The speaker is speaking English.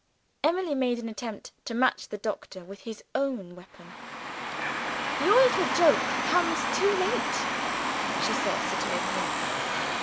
Emily made an attempt to match the doctor, with his own weapons. "Your little joke comes too late," she said satirically.